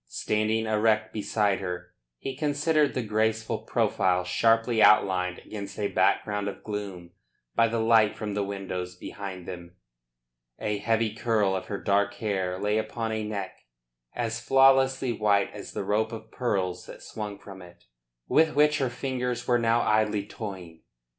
Standing erect beside her, he considered the graceful profile sharply outlined against a background of gloom by the light from the windows behind them. A heavy curl of her dark hair lay upon a neck as flawlessly white as the rope of pearls that swung from it, with which her fingers were now idly toying.